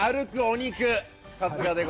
歩くお肉。